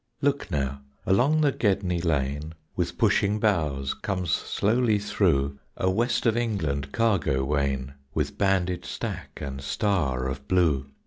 Look, now, along the Gedney lane, With pushing bows comes slowly through A West of England cargo wain, With banded stack and star of blue.